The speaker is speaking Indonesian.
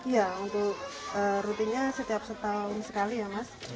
ya untuk rutinnya setiap setahun sekali ya mas